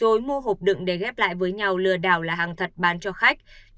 rồi mua hộp đựng để ghép lại với nhau lừa đảo là hàng thật bán cho khách